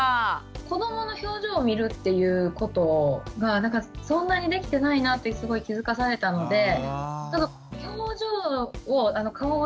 子どもの表情を見るっていうことがなんかそんなにできてないなってすごい気付かされたので表情を顔をしっかり見てあげようと思いました。